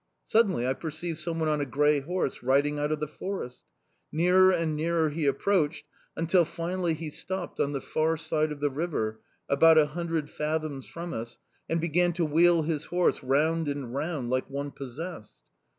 Suddenly I perceived someone on a grey horse riding out of the forest; nearer and nearer he approached until finally he stopped on the far side of the river, about a hundred fathoms from us, and began to wheel his horse round and round like one possessed.